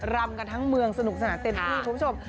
รำกันทั้งเมืองสนุกสนานเต็มที่คุณผู้ชม